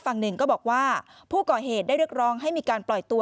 ฝั่งหนึ่งก็บอกว่าผู้ก่อเหตุได้เรียกร้องให้มีการปล่อยตัว